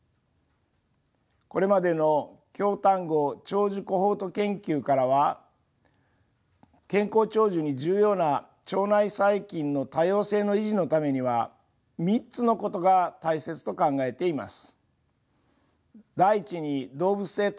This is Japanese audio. これまでの京丹後長寿コホート研究からは健康長寿に重要な腸内細菌の多様性の維持のためには３つのことが大切と考えています。